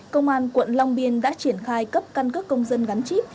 công an quận long biên đã triển khai cấp căn cước công dân gắn chip